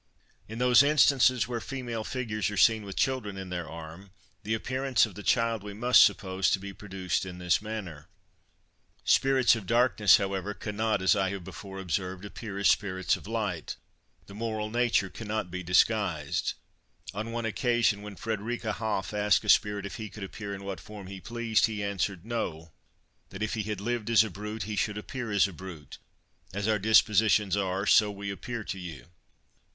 In those instances where female figures are seen with children in their arm, the appearance of the child we must suppose to be produced in this manner. Spirits of darkness, however, can not, as I have before observed, appear as spirits of light; the moral nature can not be disguised. On one occasion, when Frederica Hauffe asked a spirit if he could appear in what form he pleased, he answered "No"—that if he had lived as a brute, he should appear as a brute: "as our dispositions are, so we appear to you."